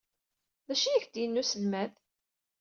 D acu ay ak-d-yenna uselmad?